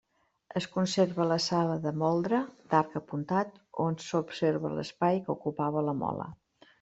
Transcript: Es conserva la sala de moldre, d'arc apuntat, on s'observa l'espai que ocupava la mola.